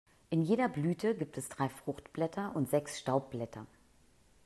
In jeder Blüte gibt es drei Fruchtblätter und sechs Staubblätter.